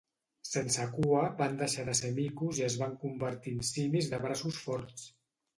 Sense cua, van deixar de ser micos i es van convertir en simis de braços forts.